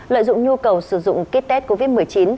lợi dụng nhu cầu sử dụng kit test covid một mươi chín